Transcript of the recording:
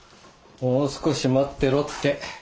もう少し待ってろって。